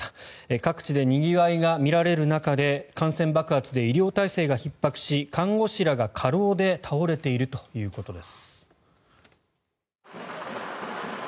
各地でにぎわいが見られる中で感染爆発で医療体制がひっ迫し看護師らが、過労で倒れているということです。